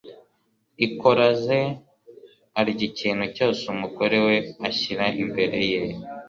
Ikoraze arya ikintu cyose umugore we ashyira imbere ye.